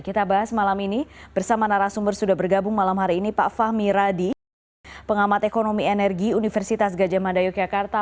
kita bahas malam ini bersama narasumber sudah bergabung malam hari ini pak fahmi radi pengamat ekonomi energi universitas gajah mada yogyakarta